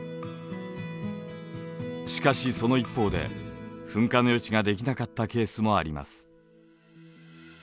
しかしその一方で噴火の予知ができなかったケースもあります。